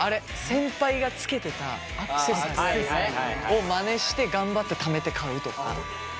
先輩がつけてたアクセサリーをまねして頑張ってためて買うとか。